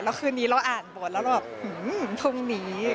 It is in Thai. แล้วคืนนี้เราอ่านบทแล้วเราแบบหือพรุ่งนี้